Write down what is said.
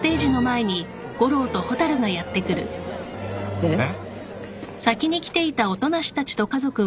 えっ？